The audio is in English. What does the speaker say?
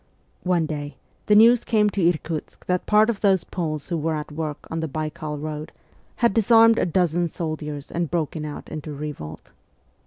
One day the news came to Irkutsk that part of those Poles who were at work on the Baikal road had disarmed a dozen soldiers and broken out into revolt.